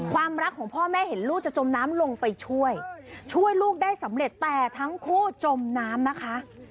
ความรักของพ่อแม่เห็นลูกจะจมน้ำลงไปช่วยช่วยลูกได้สำเร็จแต่ทั้งคู่จมน้ำนะคะ